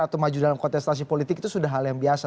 atau maju dalam kontestasi politik itu sudah hal yang biasa